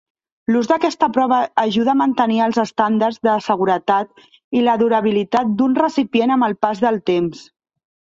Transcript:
L'ús d'aquesta prova ajuda a mantenir els estàndards de seguretat i la durabilitat d'un recipient amb el pas del temps.